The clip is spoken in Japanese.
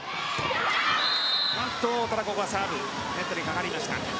ここはサーブがネットにかかりました。